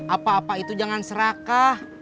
apa apa itu jangan serakah